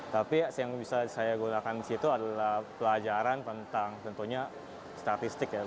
tapi yang bisa saya gunakan di situ adalah pelajaran tentang tentunya statistik ya